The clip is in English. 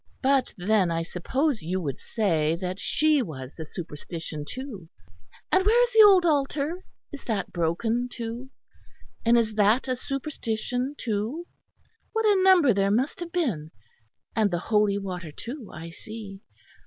But then I suppose you would say that she was a superstition, too. And where is the old altar? Is that broken, too? And is that a superstition, too? What a number there must have been! And the holy water, too, I see.